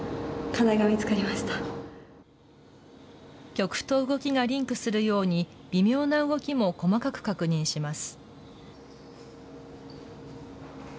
曲と動きがリンクするように、微妙な動きも細かく確認します。